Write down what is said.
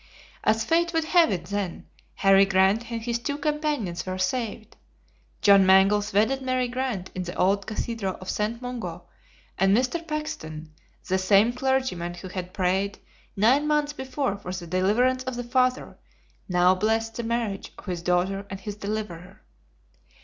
As fate would have it then, Harry Grant and his two companions were saved. John Mangles wedded Mary Grant in the old cathedral of St. Mungo, and Mr. Paxton, the same clergyman who had prayed nine months before for the deliverance of the father, now blessed the marriage of his daughter and his deliverer.